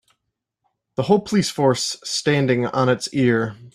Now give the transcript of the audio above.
The whole police force standing on it's ear.